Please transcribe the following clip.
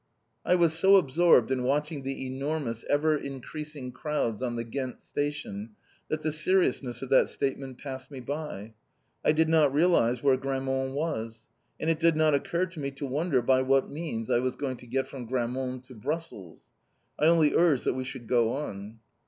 I was so absorbed in watching the enormous ever increasing crowds on the Ghent station that the seriousness of that statement passed me by. I did not realise where Grammont was. And it did not occur to me to wonder by what means I was going to get from Grammont to Brussels. I only urged that we should go on.